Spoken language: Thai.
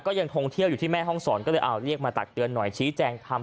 ยังทงเที่ยวอยู่ที่แม่ห้องศรก็เลยเอาเรียกมาตักเตือนหน่อยชี้แจงทำ